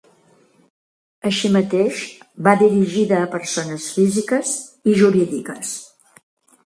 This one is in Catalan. Així mateix, va dirigida a persones físiques i jurídiques.